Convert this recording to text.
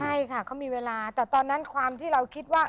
ใช่ค่ะเขามีเวลาแต่ตอนนั้นความที่เราคิดว่า